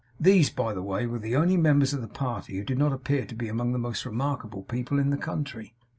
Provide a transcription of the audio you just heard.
These, by the way, were the only members of the party who did not appear to be among the most remarkable people in the country.